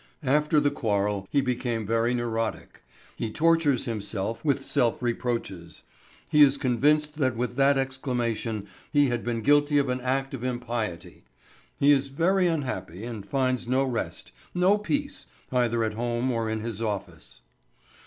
After the quarrel he became very neurotic. He tortures himself with self reproaches; he is convinced that with that exclamation he had been guilty of an act of impiety; he is very unhappy and finds no rest, no peace, either at home or in his office.